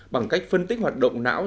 bằng cách phân tích hoạt động não